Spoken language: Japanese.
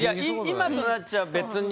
「今となっちゃ別に」